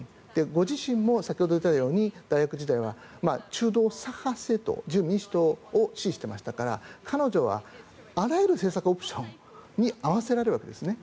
ご自身も先ほど言ったように大学時代は中道左派政党自由民主党を支持していましたから彼女はあらゆる政策オプションに合わせられるわけですね。